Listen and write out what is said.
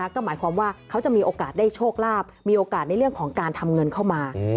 ก็หมายความว่าเขาจะมีโอกาสได้โชคลาภมีโอกาสในเรื่องของการทำเงินเข้ามา